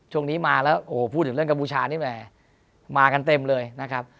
ช่วงนี้มาแล้วโอ้โหพูดถึงเรื่องกัมพูชานี่แหมมากันเต็มเลยนะครับ